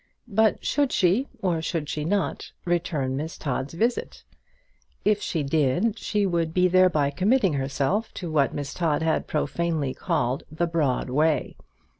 But should she, or should she not, return Miss Todd's visit? If she did she would be thereby committing herself to what Miss Todd had profanely called the broad way.